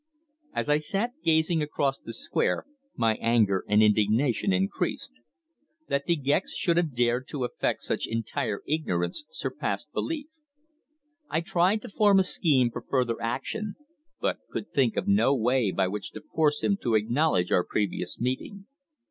As I sat gazing across the square my anger and indignation increased. That De Gex should have dared to affect such entire ignorance surpassed belief. I tried to form a scheme for further action, but could think of no way by which to force him to acknowledge our previous meeting.